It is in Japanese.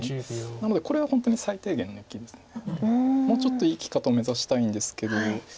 なのでこれは本当に最低限の生きですのでもうちょっといい生き方目指したいんですけど。